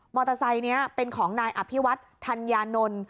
เตอร์ไซค์นี้เป็นของนายอภิวัตธัญญานนท์